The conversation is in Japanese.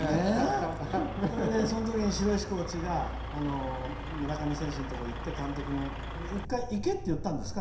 その時に城石コーチが村上選手のところに行って監督は行けっていったんですか？